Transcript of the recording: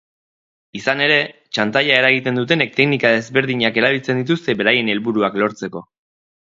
Izan ere, txantaia eragiten dutenek teknika ezberdinak erabiltzen dituzte beraien helburuak lortzeko.